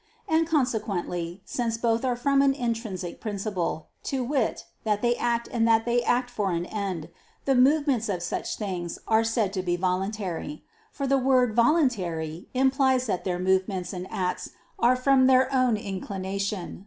And consequently, since both are from an intrinsic principle, to wit, that they act and that they act for an end, the movements of such things are said to be voluntary: for the word "voluntary" implies that their movements and acts are from their own inclination.